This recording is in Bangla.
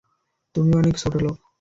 তুমি অনেক বড় ছোটলোক।